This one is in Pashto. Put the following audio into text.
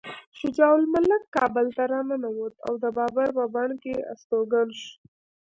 شجاع الملک کابل ته راننوت او د بابر په بڼ کې استوګن شو.